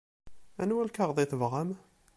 Anwa lkaɣeḍ i tebɣam?